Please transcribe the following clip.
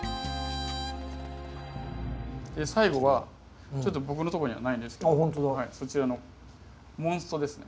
最後はちょっと僕のとこにはないんですけどそちらのモンストですね。